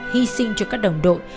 hy sinh cho các đồng đội